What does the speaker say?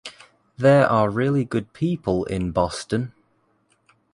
There are really good people in Boston.